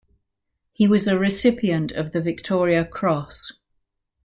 He was a recipient of the Victoria Cross.